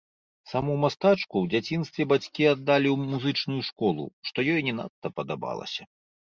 Саму мастачку ў дзяцінстве бацькі аддалі ў музычную школу, што ёй не надта падабалася.